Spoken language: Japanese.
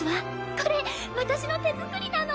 これ私の手作りなの。